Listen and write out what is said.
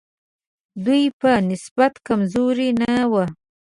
دوی په نسبت کمزوري نه وو.